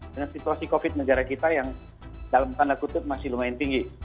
dengan situasi covid negara kita yang dalam tanda kutip masih lumayan tinggi